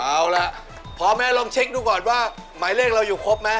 เอาล่ะพ่อแม่ลองเช็คดูก่อนว่าหมายเลขเราอยู่ครบไหม